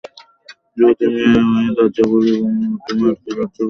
যুবতী মেয়ে হয়ে দরজা খুলে ঘুমাতে, তোমারও কি লজ্জা করেনা?